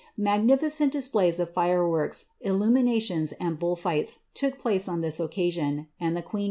Magnificent displays of fireworks, illo ^ niinations, and bull fights, took place on this occasion, and the queen